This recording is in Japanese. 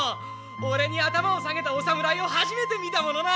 俺に頭を下げたお侍を初めて見たものな！